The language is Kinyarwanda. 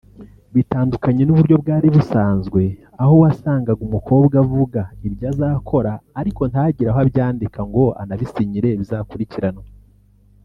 bitandukanye n’uburyo bwari busanzwe aho wasangaga umukobwa avuga ibyo azakora ariko ntagire aho abyandika ngo anabisinyire bizakurikiranwe